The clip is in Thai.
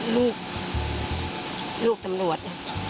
ลูกลูกตำรวจ